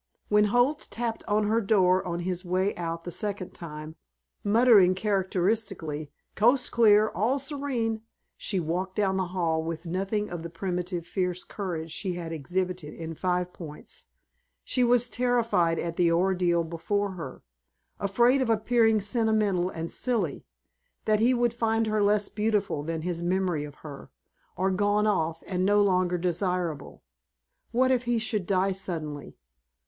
When Holt tapped on her door on his way out the second time, muttering characteristically: "Coast clear. All serene," she walked down the hall with nothing of the primitive fierce courage she had exhibited in Five Points. She was terrified at the ordeal before her, afraid of appearing sentimental and silly; that he would find her less beautiful than his memory of her, or gone off and no longer desirable. What if he should die suddenly?